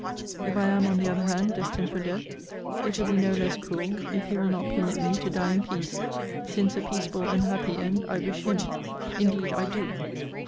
If I am, on the other hand, destined for death, it will be no less cruel, if he will not permit me to die in peace since a peaceable and happy end I wish him; indeed I do.